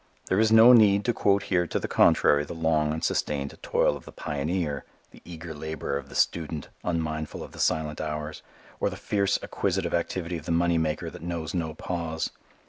There is no need to quote here to the contrary the long and sustained toil of the pioneer, the eager labor of the student, unmindful of the silent hours, or the fierce acquisitive activity of the money maker that knows no pause.